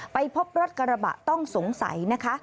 ไปพบรถกระบะต้องสงสัยนะคะ